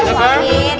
suapin dan suapin